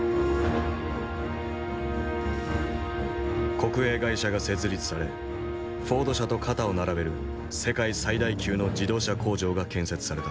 国営会社が設立されフォード社と肩を並べる世界最大級の自動車工場が建設された。